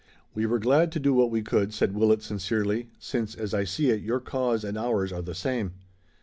"We were glad to do what we could," said Willet sincerely, "since, as I see it, your cause and ours are the same."